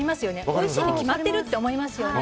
おいしいに決まってるって思いますよね。